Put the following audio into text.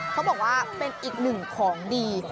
เขาบอกว่าเป็นอีกหนึ่งของดี